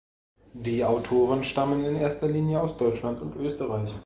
Die Autoren stammen in erster Linie aus Deutschland und Österreich.